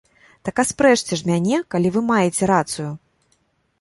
Так аспрэчце ж мяне, калі вы маеце рацыю!